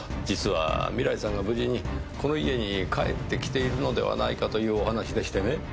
実は未来さんが無事にこの家に帰ってきているのではないかというお話でしてね。